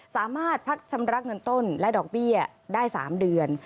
สามารถพักชำระเงินต้นและดอกเบี้ยได้๓เดือน